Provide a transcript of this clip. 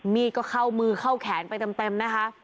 มีดก็เข้ามือเข้าแขนไปเต็มนะคะ